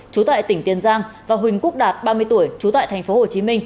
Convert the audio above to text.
chú tại tỉnh tiền giang và huỳnh quốc đạt ba mươi tuổi trú tại tp hcm